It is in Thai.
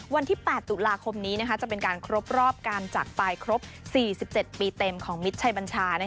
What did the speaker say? วันที่๘ตุลาคมนี้จะเป็นการครบรอบการจากไปครบ๔๗ปีเต็มของมิตรชัยบัญชา